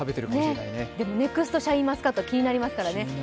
ネクストシャインマスカット気になりますからね。